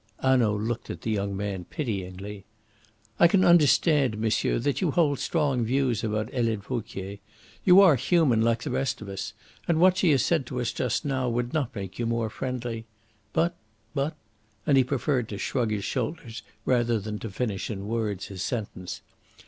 Hanaud looked at the young man pityingly. "I can understand, monsieur, that you hold strong views about Helene Vauquier. You are human, like the rest of us. And what she has said to us just now would not make you more friendly. But but " and he preferred to shrug his shoulders rather than to finish in words his sentence.